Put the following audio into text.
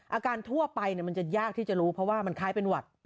ทั่วไปมันจะยากที่จะรู้เพราะว่ามันคล้ายเป็นหวัด